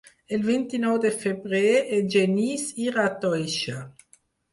El vint-i-nou de febrer en Genís irà a Toixa.